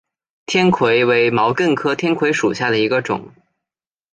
天葵为毛茛科天葵属下的一个种。